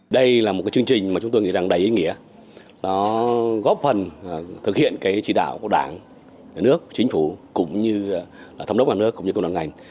đây là một chương trình mà chúng tôi nghĩ rằng đầy ý nghĩa nó góp phần thực hiện trị đạo của đảng nước chính phủ cũng như thống đốc ngàn nước cũng như công đoàn ngành